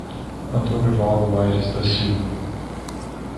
Antônio Valdo Aires da Silva